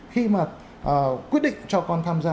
khi mà quyết định cho con tham gia